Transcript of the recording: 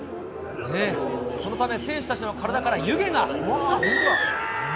そのため、選手たちの体から湯気が。